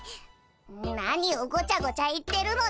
何をごちゃごちゃ言ってるのだ。